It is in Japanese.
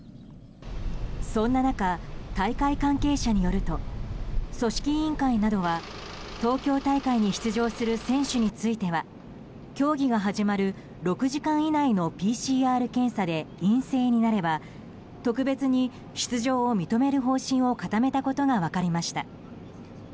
そんな中、大会関係者によると組織委員会などは東京大会に出場する選手については競技が始まる６時間以内のＰＣＲ検査で陰性になれば特別に出場を認める方針を固めたことが分かりました。